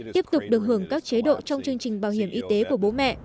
tiếp tục được hưởng các chế độ trong chương trình bảo hiểm y tế của bố mẹ